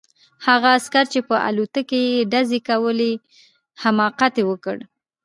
هغه عسکر چې په الوتکو یې ډزې کولې حماقت وکړ